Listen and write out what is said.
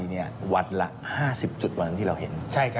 หวัดละ๕๐จุดพอที่เราเห็น